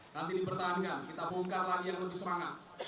nanti dipertahankan kita bongkar lagi yang lebih serangan